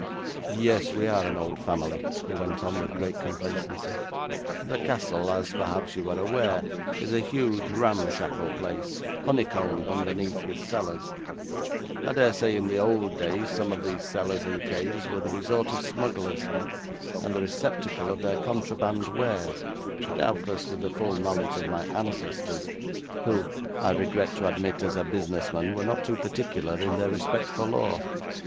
'Yes, we are an old family,' he went on with great complacency. 'The castle, as perhaps you are aware, is a huge, ramshackle place, honeycombed underneath with cellars. I dare say in the old days some of these cellars and caves were the resort of smugglers, and the receptacle of their contraband wares, doubtless with the full knowledge of my ancestors, who, I regret to admit, as a business man, were not too particular in their respect for law.